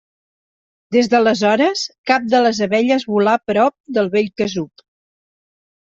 Des d'aleshores, cap de les abelles volà prop del vell casup.